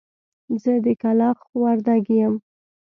زه د کلاخ وردک يم.